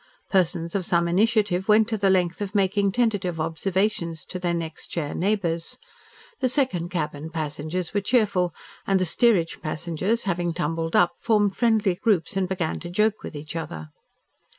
Persons of some initiative went to the length of making tentative observations to their next chair neighbours. The second cabin passengers were cheerful, and the steerage passengers, having tumbled up, formed friendly groups and began to joke with each other.